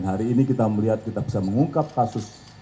hari ini kita melihat kita bisa mengungkap kasus